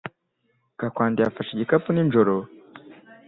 Gakwandi yafashe igikapu nijoro